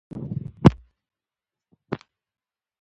د خلکو پاڅون په زور وځپل شو.